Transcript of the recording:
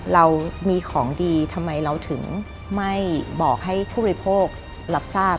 เรามีของดีทำไมเราถึงไม่บอกให้ผู้บริโภครับทราบ